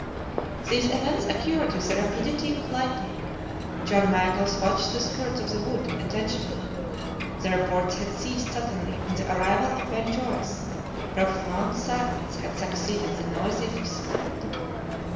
These events occurred with the rapidity of lightning. John Mangles watched the skirts of the wood attentively. The reports had ceased suddenly on the arrival of Ben Joyce; profound silence had succeeded the noisy fusillade.